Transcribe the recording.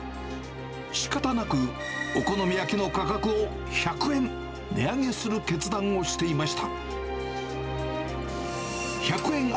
しかたなく、お好み焼きの価格を１００円値上げする決断をしていました。